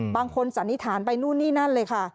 สันนิษฐานไปนู่นนี่นั่นเลยค่ะ